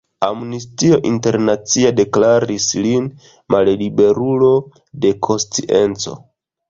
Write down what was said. Amnestio Internacia deklaris lin malliberulo de konscienco.